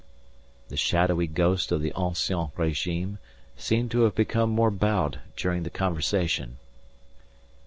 The shadowy ghost of the ancien régime seemed to have become more bowed during the conversation.